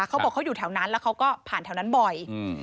เขาบอกเขาอยู่แถวนั้นแล้วเขาก็ผ่านแถวนั้นบ่อย